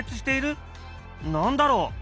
何だろう？